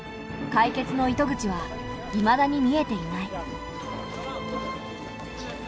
解決の糸口はいまだに見えていない。